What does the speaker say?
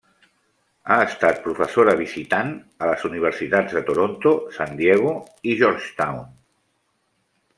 Ha estat professora visitant a les universitats de Toronto, San Diego i Georgetown.